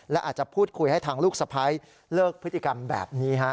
และอาจจะพูดคุยให้ทางลูกสะพ้ายเลิกพฤติกรรมแบบนี้